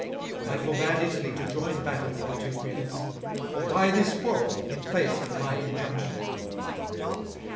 I forbade Italy to join battle with the Teucrians; why this quarrel in face of my injunction?